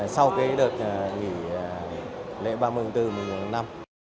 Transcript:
sau cái đợt nghỉ lễ ba mươi bốn mùa năm